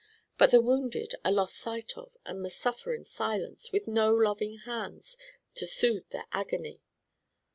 But the wounded are lost sight of and must suffer in silence, with no loving hands to soothe their agony."